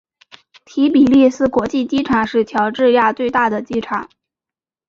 提比利斯国际机场是乔治亚最大的机场。